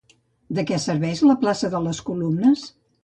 De què serveix la plaça de les Columnes?